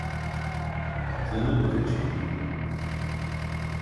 Aklını mı kaçırdın?